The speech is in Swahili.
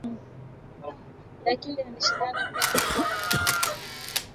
lakini alishindana pia na hao wa kwanza